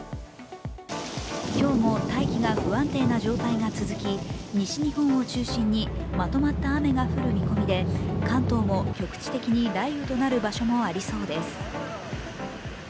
今日も大気が不安定な状態が続き、西日本を中心にまとまった雨が降る見込みで関東も局地的に雷雨となる場所もありそうです。